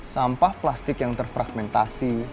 sampah plastik yang terfragmentasi